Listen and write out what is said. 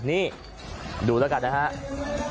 นี่ดูแล้วกันนะครับ